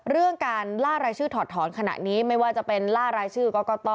เรื่องการล่ารายชื่อถอดถอนขณะนี้ไม่ว่าจะเป็นล่ารายชื่อกรกต